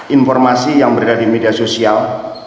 informasi yang berada di media sosial